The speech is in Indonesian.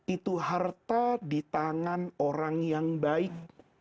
itu harta di tangan orang yang baik